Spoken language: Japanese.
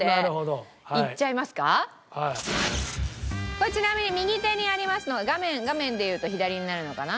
これちなみに右手にありますのが画面でいうと左になるのかな？